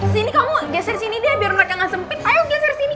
sini kamu geser sini deh biar lu rata gak sempit ayo geser sini